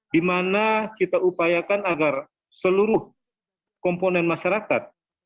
dimana kita upayakan agar seluruh komponen masyarakat